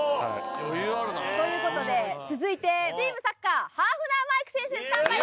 ・余裕あるな・続いてチームサッカーハーフナー・マイク選手スタンバイ